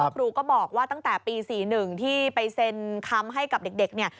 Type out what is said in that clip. ครูก็บอกว่าตั้งแต่ปี๔๑ที่ไปเซ็นคำให้กับเด็กเนี่ย